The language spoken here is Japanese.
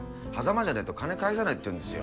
硲じゃねぇと金返さないって言うんですよ。